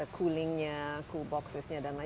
kulingnya cool boxes nya dan lain lain